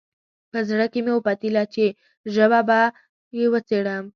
په زړه کې مې وپتېیله چې ژبه به یې وڅېړم.